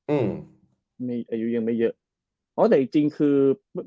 อื้มอายุยังไม่เยอะอีกจริงคือ